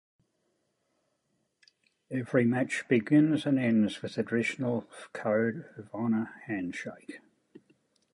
Every match begins and ends with the traditional Code of Honor handshake.